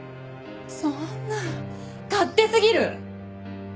そんな勝手すぎる！